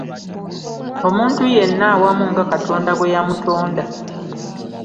Omuntu Yenna awamu nga Katonda bwe yamutonda.